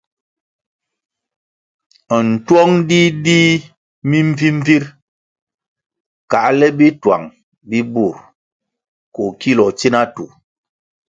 Ntuong dih dih mimbvimbvir kãhle bituang bi bur koh kiloh tsina tu.